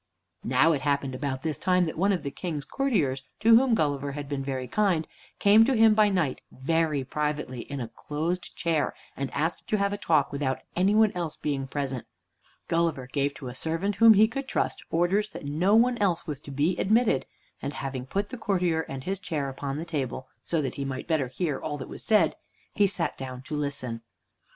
Now it happened about this time that one of the King's courtiers, to whom Gulliver had been very kind, came to him by night very privately in a closed chair, and asked to have a talk, without any one else being present. Gulliver gave to a servant whom he could trust orders that no one else was to be admitted, and having put the courtier and his chair upon the table, so that he might better hear all that was said, he sat down to listen.